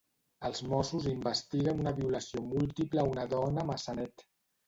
Els Mossos investiguen una violació múltiple a una dona a Massanet.